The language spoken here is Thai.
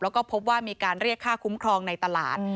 แล้วก็พบว่ามีการเรียกค่าคุ้มครองในตลาด